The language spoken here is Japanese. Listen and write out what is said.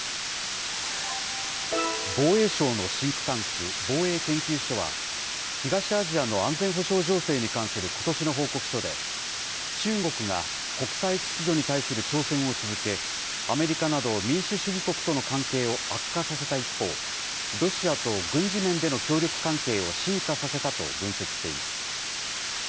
防衛省のシンクタンク、防衛研究所は、東アジアの安全保障情勢に関することしの報告書で、中国が国際秩序に対する挑戦を続け、アメリカなど、民主主義国との関係を悪化させた一方、ロシアと軍事面での協力関係を深化させたと分析しています。